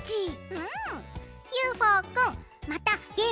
うん！